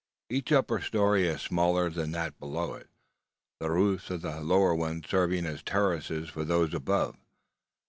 Each upper story is smaller than that below it, the roofs of the lower ones serving as terraces for those above.